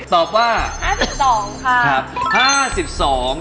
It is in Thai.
ตอบว่าฮาดสิบสองค่ะ